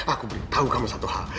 aku beritahu kamu satu hal